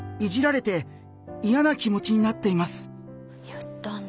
言ったんだ。